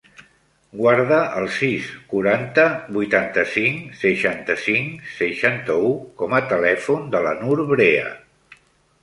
Guarda el sis, quaranta, vuitanta-cinc, seixanta-cinc, seixanta-u com a telèfon de la Nour Brea.